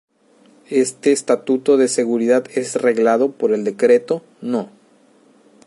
Este estatuto de seguridad es reglado por el Decreto No.